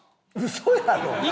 嘘やろ！